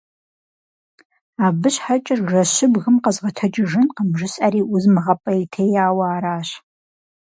Абы щхьэкӀэ жэщыбгым къэзгъэтэджыжынкъым, жысӀэри узмыгъэпӀейтеяуэ аращ.